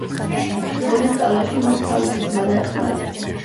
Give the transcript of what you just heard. როლის სწავლაში მას თავისი ძმა დაეხმარა.